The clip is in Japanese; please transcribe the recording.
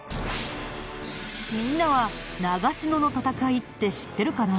みんなは長篠の戦いって知ってるかな？